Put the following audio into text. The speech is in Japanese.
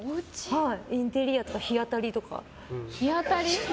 インテリアとか日当たりとか。